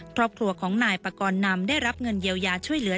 ครอบครัวของนายปากรนำได้รับเงินเยียวยาช่วยเหลือ